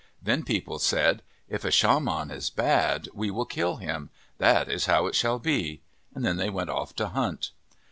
Then people said, " If a shaman is bad, we will kill him. That is how it shall be." Then they went off to hunt.